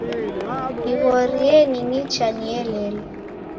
Nighorie ning'icha nielelwe.